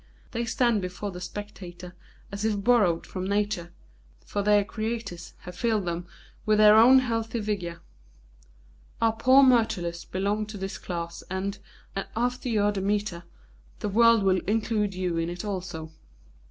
They stand before the spectator as if borrowed from Nature, for their creators have filled them with their own healthy vigour. Our poor Myrtilus belonged to this class and, after your Demeter, the world will include you in it also."